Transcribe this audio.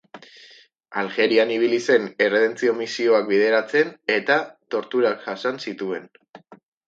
Aljerian ibili zen erredentzio-misioak bideratzen, eta torturak jasan zituen.